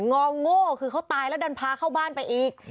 งอโง่คือเขาตายแล้วดันพาเข้าบ้านไปอีก